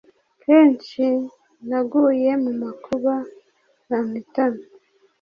Kenshi naguye mu makuba yampitana,